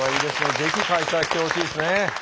是非開催してほしいですね。